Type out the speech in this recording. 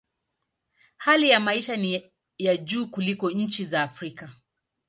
Hali ya maisha ni ya juu kuliko nchi nyingi za Afrika.